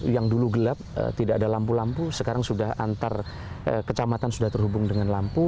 yang dulu gelap tidak ada lampu lampu sekarang sudah antar kecamatan sudah terhubung dengan lampu